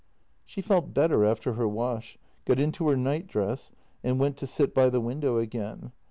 She felt better after her wash, got into her nightdress, and went to sit by the window again.